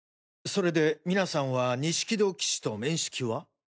それでみなさんは錦戸棋士と面識は？